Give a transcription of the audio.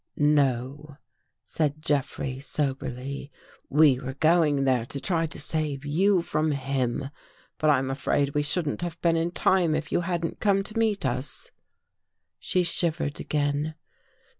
" No," said Jeffrey soberly, " we were going there to try to save you from him. But I'm afraid we shouldn't have been in time, if you hadn't come to meet us." She shivered again.